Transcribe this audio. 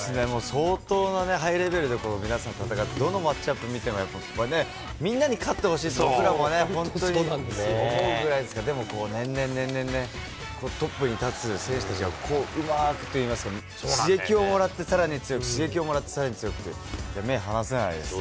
相当なハイレベルで、皆さん戦って、どのマッチアップ見ても、やっぱりね、みんなに勝ってほしいというね、本当に思うぐらいですが、でも年々ね、トップに立つ選手たちがうまくといいますか、刺激をもらってさらに強く、刺激をもらってさらに強くという、目、離せないですね。